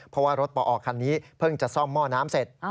เพราะว่ารถปอคันนี้เพิ่งจะซ่อมหม้อน้ำเสร็จ